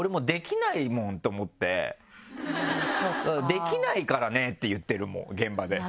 「できないからね」って言ってるもう現場で。